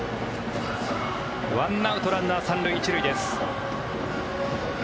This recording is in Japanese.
１アウトランナー３塁１塁です。